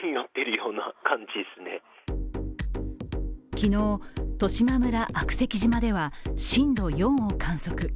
昨日、十島村悪石島では震度４を観測。